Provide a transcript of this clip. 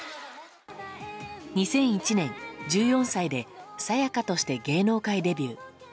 ２００１年、１４歳でＳＡＹＡＫＡとして芸能界デビュー。